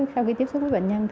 sau khi tiếp xúc với bệnh nhân